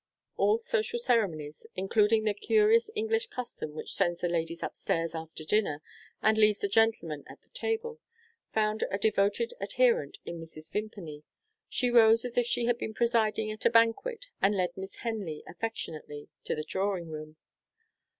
All social ceremonies including the curious English custom which sends the ladies upstairs, after dinner, and leaves the gentlemen at the table found a devoted adherent in Mrs. Vimpany. She rose as if she had been presiding at a banquet, and led Miss Henley affectionately to the drawing room.